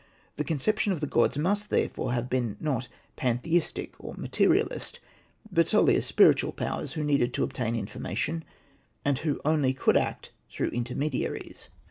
The conception of the gods must therefore have been not pantheistic or mate rialist, but solely as spiritual powers who needed to obtain information, and who only could act through intermediaries.